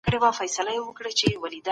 اګوستين دا فکر پياوړی کړ.